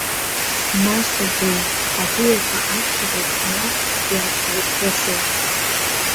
Насоуп, уи, атәыҩақәа аԥхьаҟа ирханы, иансзыҭрысыз.